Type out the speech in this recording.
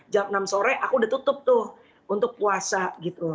jam enam sore aku udah tutup tuh untuk puasa gitu